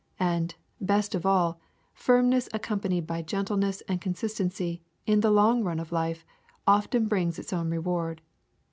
And, best of all, firmness accompanied by gentleness and con sistency, in the long run of life, often brings its own re ward.